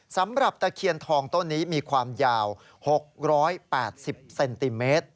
ตะเคียนทองต้นนี้มีความยาว๖๘๐เซนติเมตร